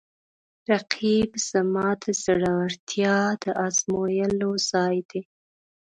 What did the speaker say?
رقیب زما د زړورتیا د ازمویلو ځای دی